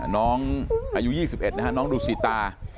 น้องอายุ๒๑น้องดูสีตา